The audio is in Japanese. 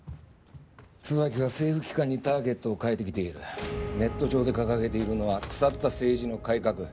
椿は政府機関にターゲットを変えてきているネット上で掲げているのは腐った政治の改革